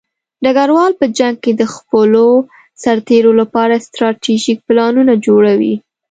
ډګروال په جنګ کې د خپلو سرتېرو لپاره ستراتیژیک پلانونه جوړوي.